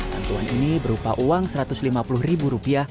bantuan ini berupa uang rp satu ratus lima puluh